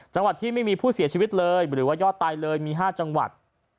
จังหวัดที่ไม่มีผู้เสียชีวิตเลยหรือว่ายอดตายเลยมี๕จังหวัด